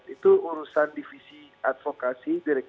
itu urusan divisi advokasi